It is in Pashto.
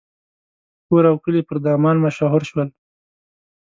په کور او کلي پر دامان مشهور شول.